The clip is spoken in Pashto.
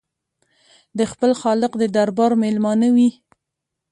د خپل خالق د دربار مېلمانه وي.